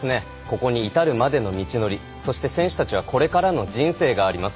ここに至るまでの道のりそして選手たちはこれからの人生があります。